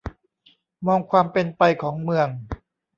มองความเป็นไปของเมือง